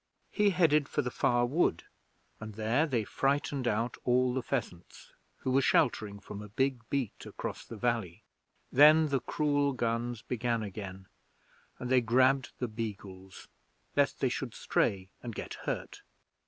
He headed for Far Wood, and there they frightened out all the pheasants, who were sheltering from a big beat across the valley. Then the cruel guns began again, and they grabbed the beagles lest they should stray and get hurt.